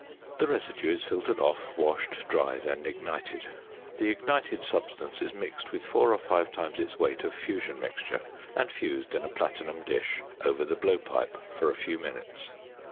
The residue is filtered off, washed, dried, and ignited. The ignited substance is mixed with four or five times its weight of "fusion mixture," and fused in a platinum dish over the blowpipe for a few minutes.